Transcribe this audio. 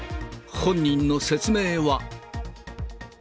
本人の説明は。